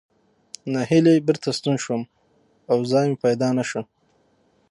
نهیلی بېرته ستون شوم او ځای مې پیدا نه شو.